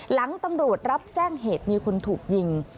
หลังตำรวจรับแจ้งเหตุมีคนถูกยิง